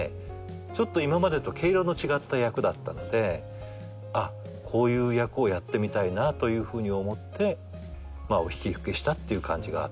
今までと毛色の違った役だったのであっこういう役をやってみたいなというふうに思ってお引き受けしたっていう感じがあったんですね。